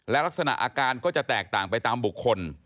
และลักษณะอาการก็จะแตกต่างไปตามบุคคล